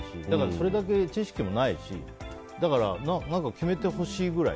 それだけ知識もないしだから、決めてほしいぐらい。